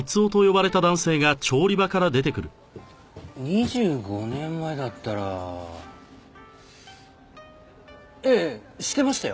２５年前だったらええしてましたよ。